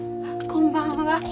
こんばんは。